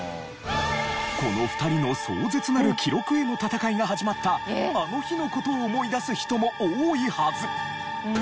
この２人の壮絶なる記録への戦いが始まったあの日の事を思い出す人も多いはず。